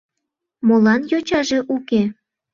Молан йочаже уке?